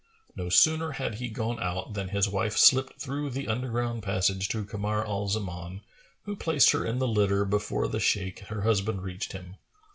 No sooner had he gone out than his wife slipped through the underground passage to Kamar al Zaman, who placed her in the litter, before the Shaykh her husband reached him.